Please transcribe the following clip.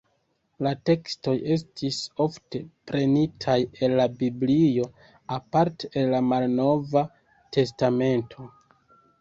La tekstoj estis ofte prenitaj el la Biblio, aparte el la Malnova testamento.